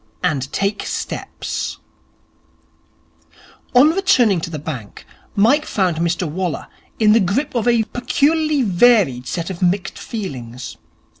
And Take Steps On returning to the bank, Mike found Mr Waller in the grip of a peculiarly varied set of mixed feelings.